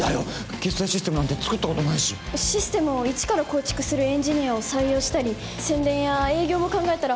決済システムなんて作ったことないしシステムを一から構築するエンジニアを採用したり宣伝や営業も考えたらもっと膨大な資金が